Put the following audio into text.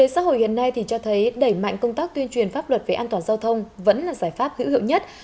xã hội hiện nay cho thấy đẩy mạnh công tác tuyên truyền pháp luật về an toàn giao thông vẫn là giải pháp hữu hiệu nhất